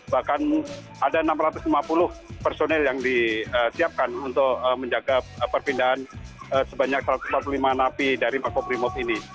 bahkan ada enam ratus lima puluh personil yang disiapkan untuk menjaga perpindahan sebanyak satu ratus empat puluh lima napi dari makobrimob ini